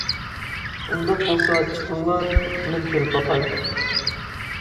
ئۇنداق بولسا ئاچىقىڭلار، مەن كۆرۈپ باقاي.